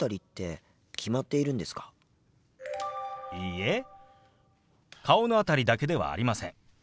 いいえ顔の辺りだけではありません。